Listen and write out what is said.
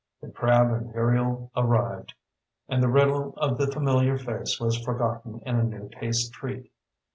The crab imperial arrived, and the riddle of the familiar face was forgotten in a new taste treat.